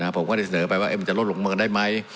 ผมก็ได้เสนอไปว่ามันจะลดลงเมืองได้ไหม